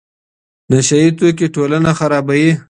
نشه یي توکي ټولنه خرابوي.